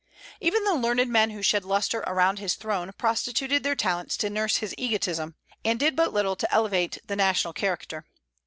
Even the learned men who shed lustre around his throne prostituted their talents to nurse his egotism, and did but little to elevate the national character.